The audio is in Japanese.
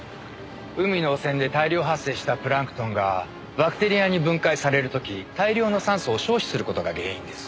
海の汚染で大量発生したプランクトンがバクテリアに分解される時大量の酸素を消費する事が原因です。